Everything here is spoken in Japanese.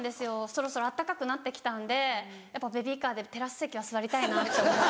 そろそろ暖かくなって来たんでやっぱベビーカーでテラス席は座りたいなって思ってて。